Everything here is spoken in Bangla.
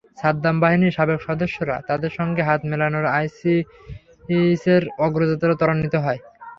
সাদ্দাম বাহিনীর সাবেক সদস্যরা তাঁদের সঙ্গে হাত মেলানোয় আইসিসের অগ্রযাত্রা ত্বরান্বিত হয়।